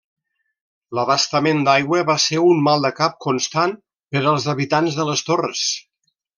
L'abastament d'aigua va ser un maldecap constant per als habitants de les torres.